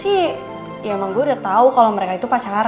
sebenernya sih emang gue udah tau kalo mereka itu pacaran